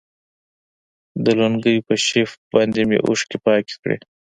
د لونګۍ په شف باندې مې اوښكې پاكې كړي.